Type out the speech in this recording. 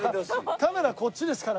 カメラこっちですから。